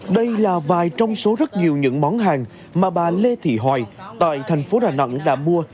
đây là vài trong số rất nhiều những món hàng mà bà lê thị hoài tại thành phố đà nẵng đã mua